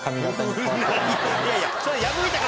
いやいや。